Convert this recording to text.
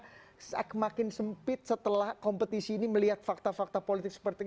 demokrasi kita apakah sejak makin sempit setelah kompetisi ini melihat fakta fakta politik seperti